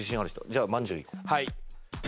じゃあまんじゅういこう。